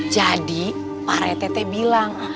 jadi pak rtt bilang